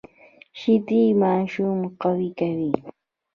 شیدې ماشوم قوي کوي